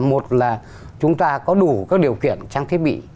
một là chúng ta có đủ các điều kiện trang thiết bị